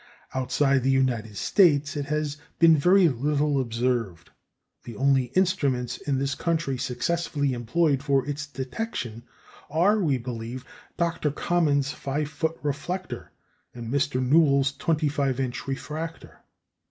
Outside the United States, it has been very little observed. The only instruments in this country successfully employed for its detection are, we believe, Dr. Common's 5 foot reflector and Mr. Newall's 25 inch refractor.